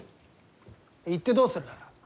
行ってどうする？